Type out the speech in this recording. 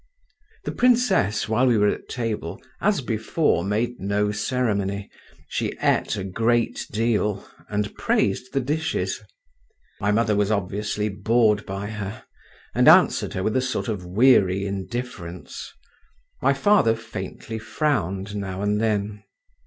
The princess, while we were at table, as before made no ceremony; she ate a great deal, and praised the dishes. My mother was obviously bored by her, and answered her with a sort of weary indifference; my father faintly frowned now and then.